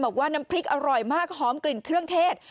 บอกว่าน้ำพริกอร่อยมากหอมกลิ่นเครื่องเทศ